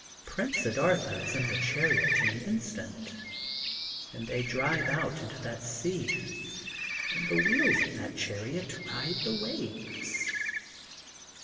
Prince Siddartha is in the chariot in an instant and they drive out into that sea and the wheels of that chariot ride the waves.